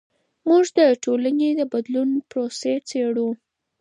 موږ د ټولنې د بدلون پروسې څیړو.